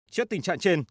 trước tình trạng trên